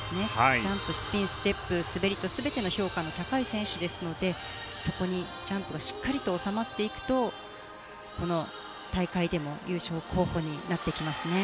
ジャンプ、スピン、ステップ滑りと全ての評価が高い選手なのでそこにジャンプがしっかりと収まっていくとこの大会でも優勝候補になってきますね。